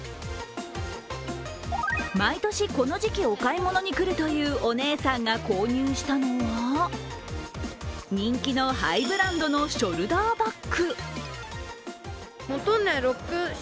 毎年この時期、お買い物に来るというお姉さんが購入したのは人気のハイブランドのショルダーバッグ。